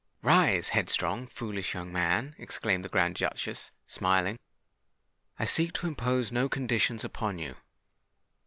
"Rise, headstrong—foolish young man," exclaimed the Grand Duchess, smiling. "I seek to impose no conditions upon you.